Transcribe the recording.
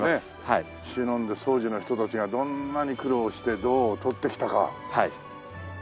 しのんで当時の人たちがどんなに苦労して銅をとってきたか。